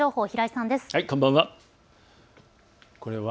こんばんは。